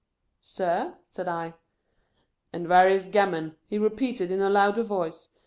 "Sir?" said I. " And warious gammon," he repeated, in a louder voice.